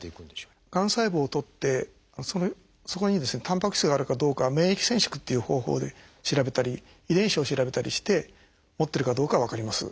がん細胞を採ってそこにタンパク質があるかどうかは免疫染色っていう方法で調べたり遺伝子を調べたりして持ってるかどうかは分かります。